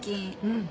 うん。